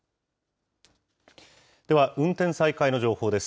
では、運転再開の情報です。